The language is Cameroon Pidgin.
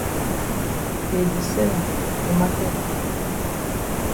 Dey di sell am for maket.